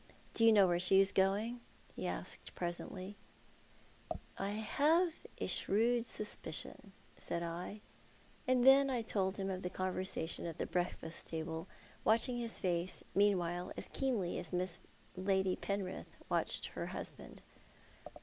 Do you know where she is going ?" he asked presently, " I have a shrewd suspicion," said I ; and then I told him of the conversation at the breakfast table, watching his face meanwhile as keenly as Lady Penrith watched her husband.